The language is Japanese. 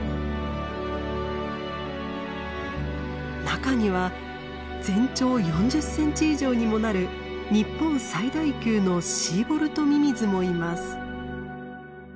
中には全長４０センチ以上にもなる日本最大級のシーボルトミミズもいます。